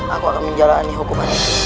aku akan menjalani hukuman itu